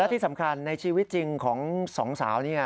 ที่สำคัญในชีวิตจริงของสองสาวนี่